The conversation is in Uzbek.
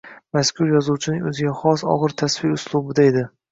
Mazkur yozuvchining o’ziga xos og’ir tasvir uslubida edi.